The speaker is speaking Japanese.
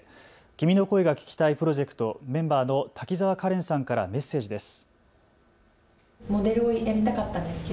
君の声が聴きたいプロジェクトメンバーの滝沢カレンさんからメッセージです。